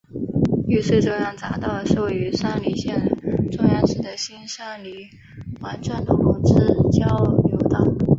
玉穗中央匝道是位于山梨县中央市的新山梨环状道路之交流道。